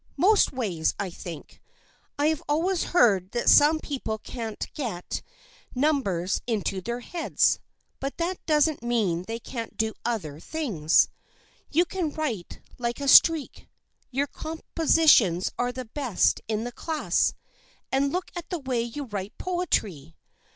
Most ways, I think. I have always heard that some people can't get 66 THE FRIENDSHIP OF ANNE numbers into their heads, but that doesn't mean they can't do other things. You can write like a streak. Your compositions are the best in the class. And look at the way you write poetry